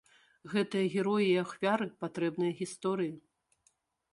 Гэтыя героі і ахвяры патрэбныя гісторыі.